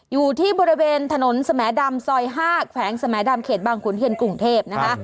อยู่ที่บริเวณถนนสมแดมซอย๕แฟงสมแดมเขตบางคลที่กรุงเทพนะคะ